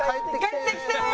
帰ってきてー！